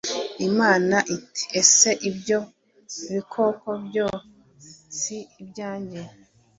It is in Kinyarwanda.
imana iti:" ese ibyo bikoko byo si ibyanjye?